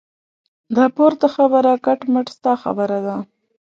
دا پورته خبره کټ مټ ستا خبره ده.